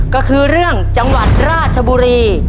ก็คือเรื่องจังหวัดราชบุรี